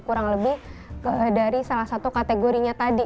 kurang lebih dari salah satu kategorinya tadi